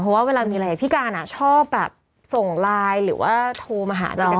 เพราะว่าเวลามีอะไรกับพี่การชอบแบบส่งไลน์หรือว่าโทรมาหาพี่แจ